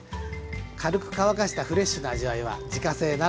軽く乾かしたフレッシュな味わいは自家製ならでは。